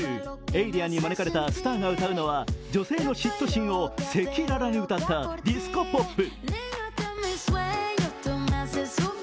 エイリアンに招かれたスターが歌うのは女性の嫉妬心を赤裸々に歌ったディスコ・ポップ。